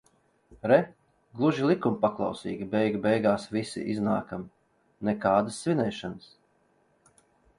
Re, gluži likumpaklausīgi beigu beigās visi iznākam. Nekādas svinēšanas.